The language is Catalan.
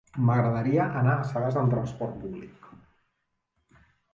M'agradaria anar a Sagàs amb trasport públic.